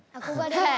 はい！